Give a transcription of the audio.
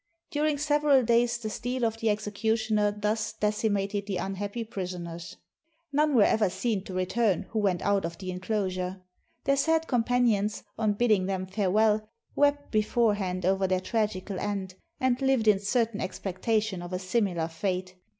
During several days the steel of the executioner thus decimated the unhappy prisoners. 627 PALESTINE None were ever seen to return who went out of the in closure. Their sad companions, on bidding them fare well, wept beforehand over their tragical end, and lived in certain expectation of a similar fate.